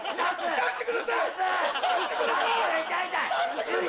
出してください！